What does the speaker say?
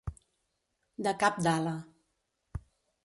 De cap d'ala.